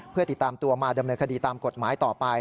เพื่อติดตามตัวมาดำเนินคดีตามกฎหมายต่อไป